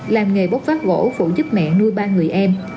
làm nghề bốc vác gỗ phụ giúp mẹ nuôi ba người em